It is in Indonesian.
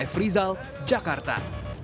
f rizal jakarta